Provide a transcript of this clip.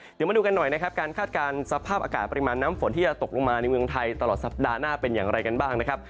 เดี๋ยวมาดูกันหน่อยนะครับการคาดการณ์สภาพอากาศปริมาณน้ำฝนที่จะตกลงมาในเมืองไทยตลอดสัปดาห์หน้าเป็นอย่างไรกันบ้างนะครับ